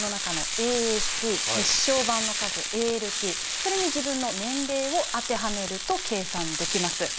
それに自分の「年齢」を当てはめると計算できます。